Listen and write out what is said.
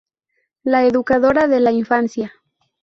La educadora de la infancia.